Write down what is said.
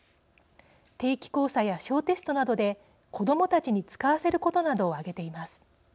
定期考査や小テストなどで子どもたちに使わせることなどを挙げています。